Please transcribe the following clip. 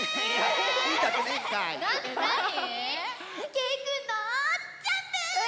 けいくんのジャンプ！